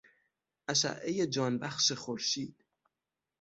اشعهی جانبخش خورشید